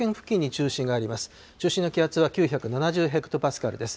中心の気圧は９７０ヘクトパスカルです。